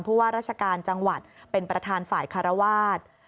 ว่าราชการจังหวัดเป็นประธานฝ่ายคารวาส